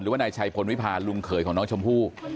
ว่านายชัยพลวิพาลลุงเขยของน้องชมพู่